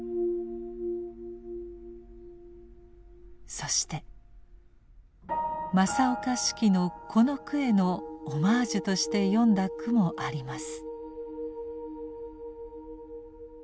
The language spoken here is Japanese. そして正岡子規のこの句へのオマージュとして詠んだ句もあります。